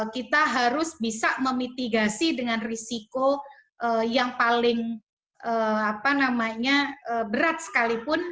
kita harus bisa memitigasi dengan risiko yang paling berat sekalipun